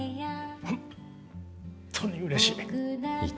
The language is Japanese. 本当にうれしい。